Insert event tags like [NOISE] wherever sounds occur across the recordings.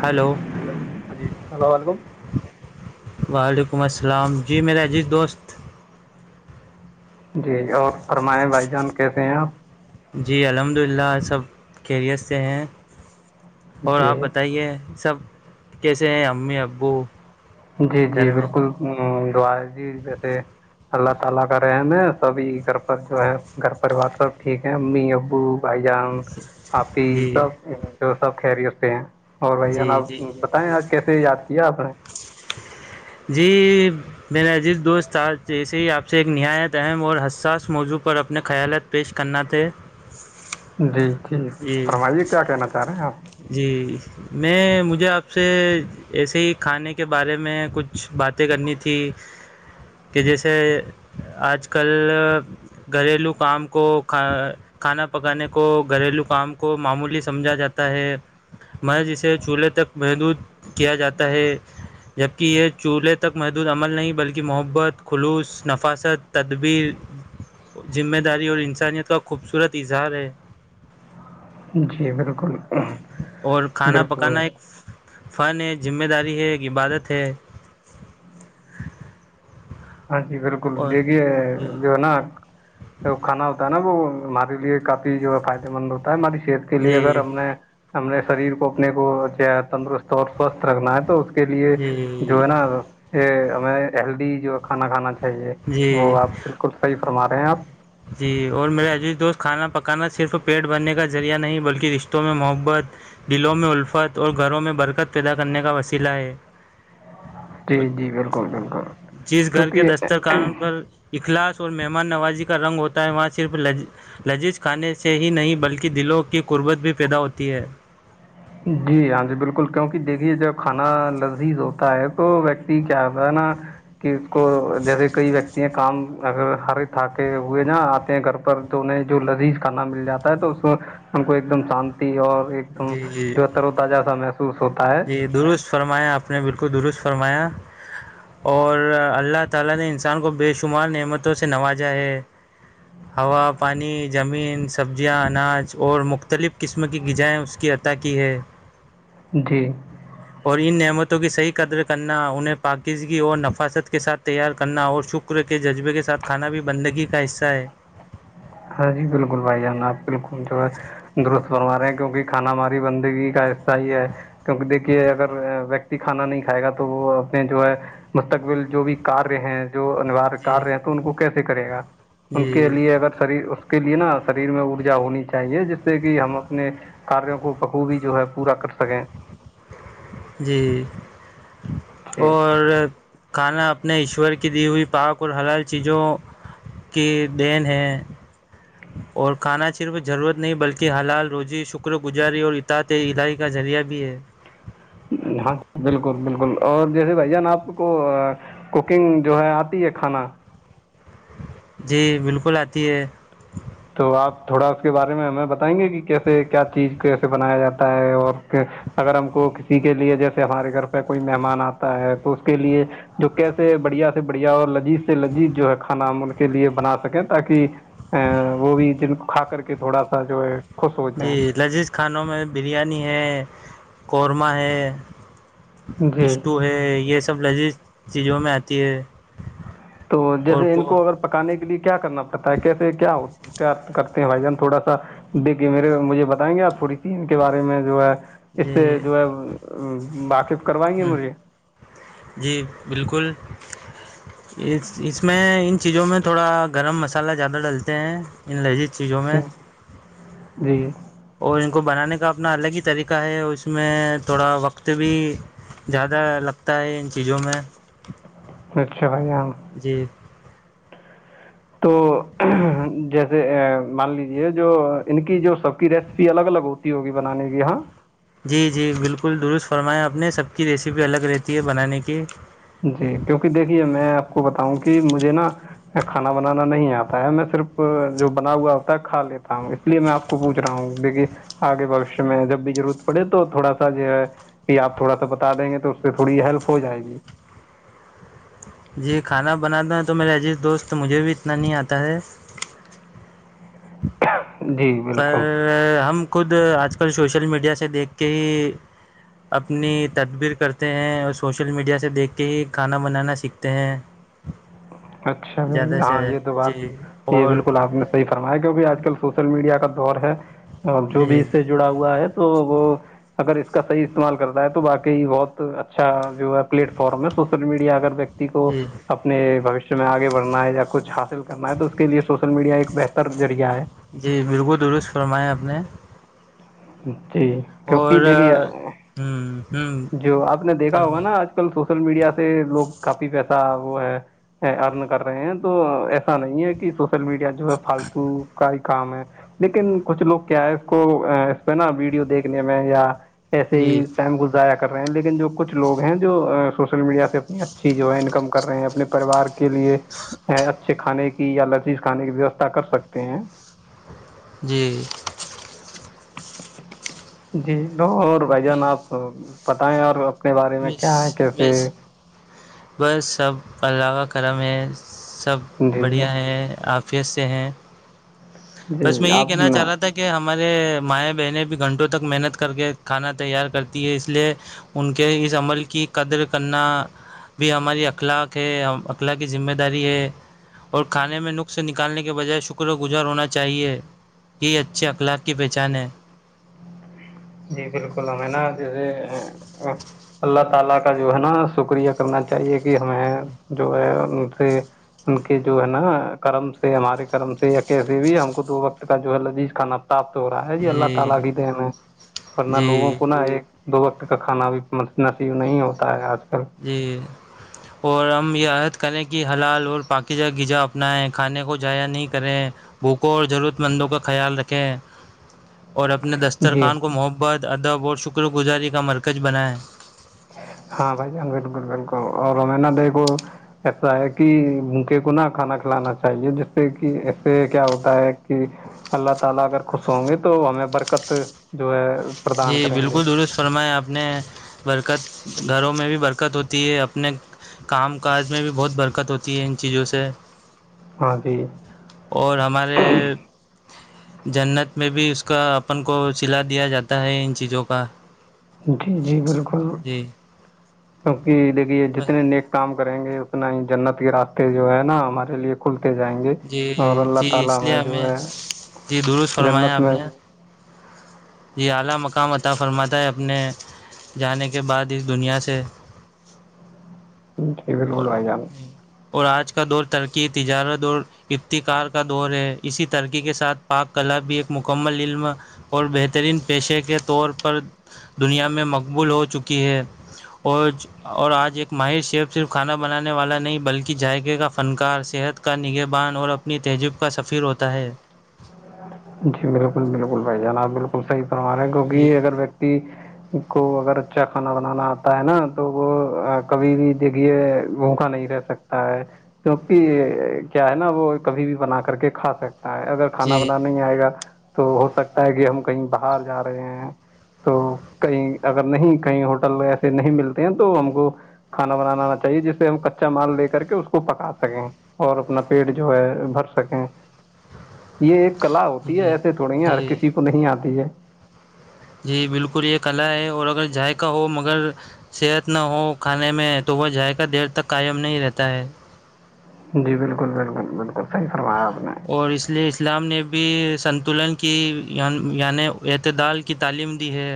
hello جی السلام علیکم وعلیکم السلام جی میرا عزیز دوست جی اور فرمائےیں بھائی جان کیسے ہیں آپ جی الحمد للہ سب خیریت سے ہیں اور جی آپ بتائیے سب کیسے ہیں امی ابو جی جی گھر میں بالکل ہ جی ویسے اللہ تعالی کا رحم ہے سب یہ کر جو ہے گھر پریوار سب ٹھیک ہے امی ابو بھائی جان آپی جی سب جو سب خہریٹ سے ہیں اور بھائی جی جان جی آپ کیسے یاد کیا آپ نے جی میرا عزیز دوست تھا جیسے ہی آپ سے ایک نہایت اہم اور حساس موضوع پر اپنے خیالات پیش کرنا تھے جی ٹھیک جی فرمائیے کیا کہنا چاہ رہے ہیں آپ جی میں مجھے آپ سے ایسے ہی کھانے کے بارے میں کچھ باتیں کرنی تھی کہ جیسے آج کل گھریلو کام کو کھ کھانا پکانے کو گھریلو کام کو معمولی سمجھا جاتا ہے م جسے چولہے تک محدود کیا جاتا ہے جبکہ یہ چولہے تک محدود عمل نہیں بلکہ محبت خلوص نفاست تدبیر ذمہ داری اور انسانیت کا خوبصورت اظہار ہے جی بالکل اور کھانا بالکل پکانا ایک فن ہے ذمہ داری ہے ایک عبادت ہے ہاں جی بالکل اور دیکھیے جی جو ہے نا کھانا ہوتا ہے نا وہ ہمارے لیے کافی جو ہے فائدے مند ہوتا ہے ہماری صحت کے لیے اگر جی ہم نے ہم نے شریر کو اپنے کو تندرست سوستھ رکھنا ہے تو اس کے لیے جی جو ہے نا یہ ہمیں ہیلدی جو کھانا کھانا چاہیے جی وہ آپ بالکل صحیح فرما رہے ہیں آپ جی اور میرے عزیز دوست کھانا پکانا صرف پیٹ بھرنے کا ذریعہ نہیں بلکہ رشتوں میں محبت دلوں میں الفت اور گھروں میں برکت پیدا کرنے کا وسیلہ ہے جی جی بالکل بالکل جس گھر کے دستتر کیونکہ قانون پر اخلاص اور مہمان نوازی کا رنگ ہوتا ہے وہاں صرفج لذیذ کھانے سے ہی نہیں بلکہ دلوں کی قربت بھی پیدا ہوتی ہے جی ہاں جی بالکل کیونکہ دیکھیے جب کھانا لذیذ ہوتا ہے تو ویکتی کیا ہوتا ہے نا کہ اس کو جیسے کوئی ویکتی کام اگر ہر تھ کے ہوئے نا آتے ہیں گھر پر تو انہیں جو لذیذ کھانا مل جاتا ہے تو اس ان کو ایک دم شانتی اور ایک دم جی جی جو ترو تجہ سا محسوس ہوتا ہے جی درست فرمایا آپ نے بالکل درست فرمایا اور اللہ تعالی نے انسان کو بے شمار نعمتوں سے نوازا ہے ہوا پانی زمین سبزیاں اناج اور مختلف قسم کی غذائیں اس کی عطا کی ہے جی اور ان نعمتوں کی صحیح قدر کرنا انہیں پاکیزگی اور نفاستت کے ساتھ تیار کرنا اور شکر شکر کے جذبے کے ساتھ کھانا بھی بندگی کا حصہ ہے ہاں جی بالکل بھائی جان آپ بالکل جو ہے درست بنوا رہے ہیں کیونکہ کھانا ماری بندگی کا حصہ ہی ہے کیونکہ دیکھیے اگر ویکتی کھانا نہیں کھائے گا تو وہ اپنے جو ہے مستقبل جو بھی کار رہ ہیں جو انوار جی کرار رہ ہیں تو ان کو کیسے کرے گا ان کے جی لیے اگر شری اس کے لیے نا شریر میں ارجا ہونی چاہیے جس سے کہ ہم اپنے کاروں کو بخو بھی جو ہے پورا کر سکیں جی جی اور کھانا اپنے ایشور کی دی ہوئی پاک اور حلال چیزوں کی دین ہے اور کھانا صرف ضرورت نہیں بلکہ حلال روزی شکر گزاری اور اتد علاائی کا ذریعہ بھی ہے ہاں بالکل بالکل اور جیسے بھ جان آپ کو کوکنگ جو ہے آتی ہے کھانا جی بالکل آتی ہے تو آپ تھوڑا اس کے بارے میں ہمیں بتائیں گے کہ کیسے کیا چیز کیسے بنایا جاتا ہے اور اگر ہم کو کسی کے لیے جیسے ہمارے گھر پہ کوئی مہمان آتا ہے تو اس کے لیے جو کیسے بڑھیا سے بڑھیا اور لذیذ سے لذیذ جو ہے کھانا ہم ان کے لیے بنا سکیں تاکہ [INAUDIBLE] وہ بھی جن کو کھا کر کے تھوڑا سا جو ہے خوش ہو جی جائیں لذیذ کھانوں میں بریانی ہے قورمہ ہے جی اسٹو ہے یہ سب لذیذ چیزوں میں آتی ہے تو جیسے ان کو اگر پکانے کے لیے کیا کرنا پڑتا ہے کیسے کیا ہو کرتے ہیں بھائی جان تھوڑا سا دیکھیے میرے مجھے بتائیں گے آپ تھوڑی سی ان کے بارے میں جو ہے اس جی سے جو ہے واقف کروائیں گے ہ مجھے جی بالکل اس اس میں ان چیزوں میں تھوڑا گرم مسالحہ زیادہ ڈلتے ہیں ان لجی چیزوں میں جی جی اور ان کو بنانے کا اپنا الگ ہی طریقہ ہے اس میں تھوڑا وقت بھی زیادہ لگتا ہے ان چیزوں میں اچھا بھائییام جی تو جیسے مان لیجے جو ان کی جو سب کی ریسیپی الگ الگ ہوتی ہوگی بنانے کی ہاں جی جی بالکل درست فرمایا آ نے سب کی ریسیپی الگ رہتی ہے بنانے کی جی کیونکہ دیکھیے میں آپ کو بتاؤں کہ مجھے نا کھانا بنانا نہیں آتا ہے میں صرف جو بنا ہوا ہوتا ہے کھا لیتا ہوں اس لیے میں آپ کو پوچ رہا ہوں دیکھی کہ آگے بشش میں جب بھی ضرورت پڑے تو تھوڑا سا جو ہے پھر آپ تھوڑا سا بتا دیں گے تو اس سے تھوڑی ہیلپ ہو جائے گی جی کھانا بنانا ہے تو میرے عزیز دوست مجھے بھی اتنا نہیں آتا ہے جی بالکل پر ہم خود آج کل سوشل میڈیا سے دیکھ کے ہی اپنی تدبیر کرتے ہیں اور سوشل میڈیا سے دیکھ کے ہی کھانا بنانا سیکھتے ہیں ہ اچھا ہاں یہ تو بات یہ اور بالکل آپ نے صحی فرمایا کیکہ آج کل سوشل میڈیا کا دور ہے اور جو بھی جی اس سے جڑا ہوا ہے تو وہ اگر اس کا صحیح استعمال کرتا ہے تو باقی بہت اچھا جو ہے پلیٹ فارم ہے سوشل میڈیا اگر ویکتی کو جی اپنے بھشیہ میں آگے بڑنا ہے یا کچھ حاصل کرنا ہے تو اس کے لیے سوشل میڈیا ایک بہتر ذریعہ ہے جی بالکل درست فرمائیں آپ نے جی کیوںکہ اور دیکھیے ہوں ہوں جو آپ نے دیکھا ہوگا فرمائی نا آج کل سوشل میڈیا سے لوگ کافی پیسہ وہ ہے ارن کر رہے ہیں تو ایسا نہیں ہے کہ سوشل میڈیا جو ہے فالتو کا ہی کام ہے لیکن کچھ لوگ کیا ہے اس کو نا ویڈیو دیکھنے میں یا ایسے جی ہی ٹائم گزایا کر رہے ہیں لیکن جو کچھ لوگ ہیں جو سوشل میڈیا سے اپنی اچھی جو ہے انکم کر رہے ہیں اپنے پریوار کے کے لیے اچھے کھانے کی یا لذیذ کھانے کی ویوستھا کر سکتے ہیں جی جی تو اور بھائی جان آپ پتائیں اور اپنے بارے میں کیا ہے بس کیسے بس بس سب اللہ کرم ہیں سب جی بڑھیا ہیں آفیت سے ہیں جی بس میں یہ آپ کہنا چاہ رہا تھا کہ کہ ہمارے مائیں بہنیں بھی گھنٹوں تک محنت کر کے کھانا تیار کرتی ہے اس لیے ان کے اس عمل کی قدر کرنا بھی ہماری اخلاق ہے ہم اخلاق کی ذمہ داری ہے اور کانے میں نقخ سے نکالنے کے بجائے شکر گزار ہونا چاہیے کہ اچھے اخلاق کی پہچان ہے جی بالکل ہمیں نا جیسے اللہ تعالی کا جو ہے نا شکریہ کرنا چاہیے کہ ہمیں جو ہے ان کے جو ہے نا کرم سے ہمارے کرم سے یا کیسے بھی ہم کو دو وقت کا جو ہے لذیذ کھانا اب تو راہ ہے جی اللہ تعالی کی دین ہے نہ لوگوں جی کو نا ایک دو وقت کا کھانا بھی نصیب نہیں ہوتا ہے آج کل جی اور ہم یہ عہد کریں کہ حلال اور پاکیزہ گزا اپنائیں کھانے کو جایا نہیں کریں بھوکوں اور ضرورت مندوں کا خیال رکھیں اور اپنے جی دسترخان کو محبت ادب اور شکر گزاری کا مرکز بنائیں ہاں بھائی جان بالکل بالکل اور ہمیں نا دیکھو ایسا ہے کہ بھوکے کو نہ کھانا کھلانا چاہیے جس سے کہ اسے کیا ہوتا ہے کہ اللہ تعالی اگر خوش ہوں گے تو ہمیں برکت سے جو ہے جی پردان کریں گے بالکل درست فرمایا آپ نے برکت گھروں میں بھی برکت ہوتی ہے اپنے کام کاج میں بھی بہت برکت ہوتی ہے ان چیزوں سے ہاں جی اور ہمارے جنت میں بھی اس کا اپن کو سلا دیا جاتا ہے ان چیزوں کا جی جی بالکل جی کیونکہ دیکھیے جتنے نیک کام کریں گے اتنا ہی جنت کے راستے جو ہے نا ہمارے لیے کھلتے جاینگے اور جی اللہ جی تعالی اس لیے ہمیں جو ہے جی درست فرمایا جنت آپ میں نے جی اعلا مکام عطا فرماتا ہے اپنے جانے کے بعد اس دنیا سے جی بالکل اور بھائی جان اور آج کا دور ترقی تجارت اور افتقار کا دور ہے اسی ترقی کے ساتھ پاک کلا بھی ایک مکمل علم اور بہترین پیشے کے طور پر دنیا میں مقبول ہو چکی ہے اور اور آج ایک ماہر شیف صرف کھانا بنانے والا نہیں بلکہ ذائقے کا فنکار صحت کا نگہ بان اور اپنی تہذیب کا سفیر ہوتا ہے جی بالکل بالکل بھائی جان آب بالکل صحیح فرما رہے ہیں جی کیونکہ اگر ویکتی کو اگر اچھا کھانا بنانا آتا ہے نا تو وہ کبھی بھی دیکھیے بھوکا نہیں رہ سکتا تا ہے کیونکہ کیا ہے نا وہ کبھی بھی بنا کر کے کھا سکتا ہے اگر کھانا جی بنانا نہیں آئے گا تو ہو سکتا ہے کہ ہم کہیں باہر جا رہے ہیں تو کئی اگر نہیں کہئی ہوٹل ایسے نہیں ملتے ہیں تو ہم کو کھانا بنانا آنا چاہیے جس سے ہم کچا مال لے کر کے اس کو پکا سکیں اور اپنا پیٹ جو ہے بھر سکیں یہ ایک کلا ہوتی ہے جی ایسے تھوڑی جی ہرکسی کو نہیں آتی ہے جی بالکل یہ کلا ہے اور اگر ذائقہ ہو مگر صحت نہ ہو کھانے میں تو وہ ذایقہ دیر تک قائم نہیں رہتا ہے جی بالکل بالکل بالکل صحیح فرمایا آپ نے اور اس اس لیے اسلام نے بھی سنتولن کی یعنی اعتدال کی تعلیم دی ہے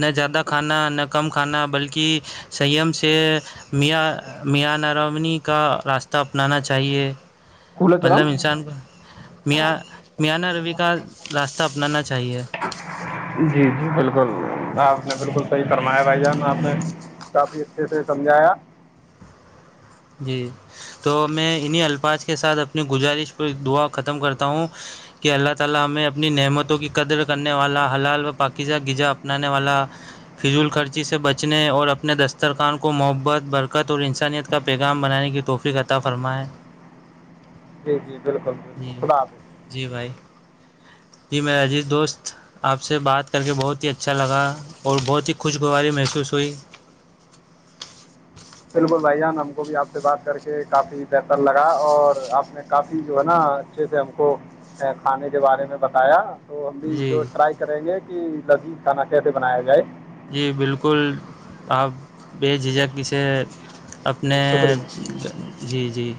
نہ زیادہ کھانا نہ کم کھانا بلکہ سیم سے میاں میاں نرامنی کا راستہ اپنانا چاہیے کولر چلاؤں مطلب انسان کو میاں میاں نرمی کا راستہ اپنانا چاہیے جی جی بالکل آپ نے بالکل صحیح فرمایا بھائی جان آپ نے کافی اچھے سے سمجھایا جی تو میں انہیں الفاظ کے ساتھ اپنی گزارش پہ دعا ختم کرتا ہوں کہ اللہ تعالی ہمیں اپنی نعمتوں کی قدر کرنے والا حلال و پاکیزہ غزا اپنانے والا فضول خرچی سے بچنے اور اپنے دسترخان کو محبت برکت اور انسانیت کا پیغام بنانے کی توفیق عطا فرمائیں جی جی بالکل بالکل جی خدا حافظ جی بھائی جی میرا عجیت دوست آپ سے بات کر کے بہت ہی اچھا لگا اور بہت ہی خوشگواری محسوس ہوئی بالکل بھائی جان ہم کو بھی آپ سے بات کر کے کافی بہتر لگا اور آپ نے کافی جو ہے نا اچھے سے ہم کو کھانے کے بارے میں بتایا تو ہم بھی جی جو ٹرائی کریں گے کہ لذیذ کھانا کیسے بنایا جائے جی بالکل آپ بے جھجھک ک سے اپنے شکریہ جی جی